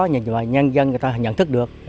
nhân dân người ta nhận thức được